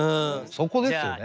そこですよね。